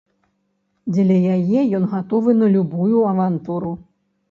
Дзеля яе ён гатовы на любую авантуру.